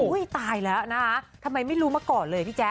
ตายแล้วนะคะทำไมไม่รู้มาก่อนเลยพี่แจ๊